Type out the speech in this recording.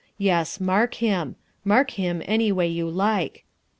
Yes, mark him. Mark him any way you like.